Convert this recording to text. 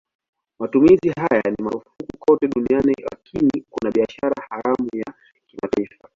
Matumizi haya ni marufuku kote duniani lakini kuna biashara haramu ya kimataifa.